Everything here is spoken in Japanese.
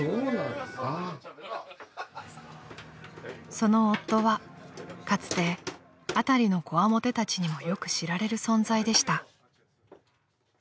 ［その夫はかつて辺りのこわもてたちにもよく知られる存在でした］